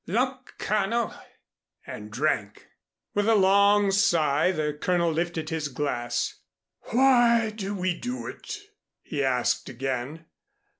"Luck, Colonel!" and drank. With a long sigh the Colonel lifted his glass. "Why do we do it?" he asked again.